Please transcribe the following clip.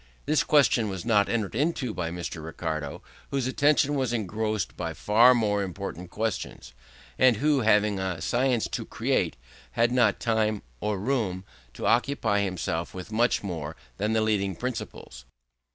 This question was not entered into by Mr. Ricardo, whose attention was engrossed by far more important questions, and who, having a science to create, had not time, or room, to occupy himself with much more than the leading principles.